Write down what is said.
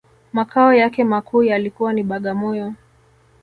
Makao yake makuu yalikuwa ni Bagamoyo